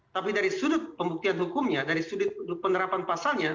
tapi dari sudut pembuktian hukumnya dari sudut penerapan pasalnya